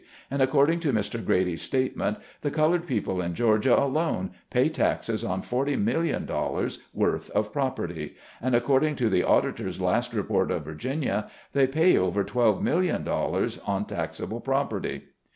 And according to Mr. Grady's statement, the colored people in Georgia alone pay taxes on forty million dollars ($40,000,000) worth of property ; and according to the auditor's last report of Virginia, they pay over twelve million dollars ($12,000,000) on taxable property.